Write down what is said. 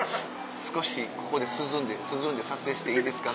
「少しここで涼んで撮影していいですか？」